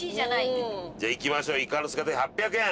じゃあいきましょういかの姿焼き８００円。